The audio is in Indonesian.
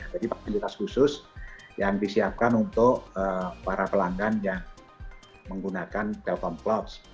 dan juga ada aplikasi kursus yang disiapkan untuk para pelanggan yang menggunakan telkom cloud